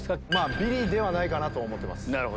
ビリではないかなと思ってます。